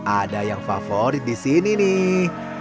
ada yang favorit di sini nih